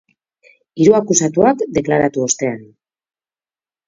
Hiru akusatuak, deklaratu ostean.